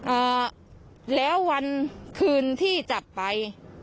อ่าแล้ววันคืนที่จับไป